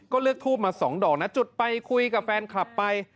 ก็เลือกทูบมา๒ดอกนะจุดไปคุยกับแฟนคลับไป